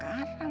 kau sama si rom